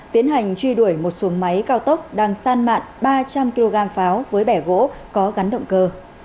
tiến hành truy đuổi một xuồng máy cao tốc đang san mạn ba trăm linh kg pháo với bẻ gỗ có gắn động cơ